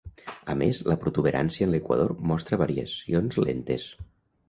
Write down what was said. A més, la protuberància en l'equador mostra variacions lentes.